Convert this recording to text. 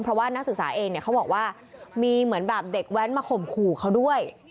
เพราะว่านักศึกษาเองเนี่ยเขาบอกว่ามีเหมือนแบบเด็กแว้นมาข่มขู่เขาด้วย